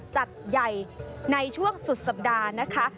จัดใหญ่ในช่วงสุดสัปดาห์นะคะ